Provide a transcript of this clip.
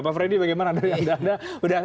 pak freddy bagaimana dari anda